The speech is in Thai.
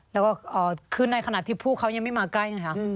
แล้วก็คือในขณะที่พวกเขายังไม่มาใกล้ไงคะ